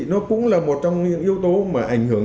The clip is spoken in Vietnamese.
nó cũng là một trong những yếu tố mà ảnh hưởng